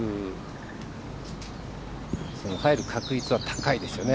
入る確率は高いですよね。